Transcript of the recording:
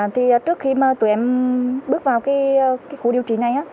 trước khi mà tụi em bước vào khu điều trị này